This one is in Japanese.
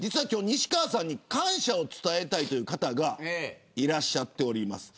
西川さんに感謝を伝えたいという方がいらっしゃっています。